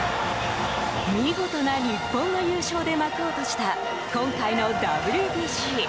見事な日本の優勝で幕を閉じた今回のＷＢＣ。